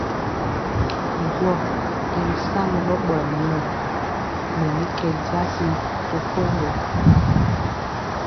Gwɔ̄ i ri sa mɛ ɓɔɓɔyɛ muu, mɛ mi kɛ jasi to koŋgo.